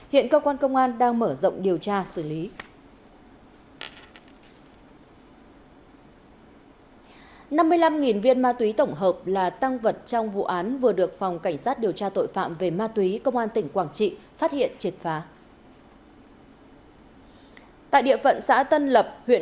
hiện cơ quan công an đang mở rộng điều tra xử lý